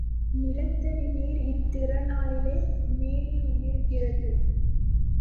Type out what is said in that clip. நிலத்தடி நீர் இத்திறனாலேயே மேலே உயருகிறது.